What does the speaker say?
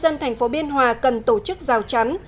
dân thành phố biên hòa cần tổ chức rào chắn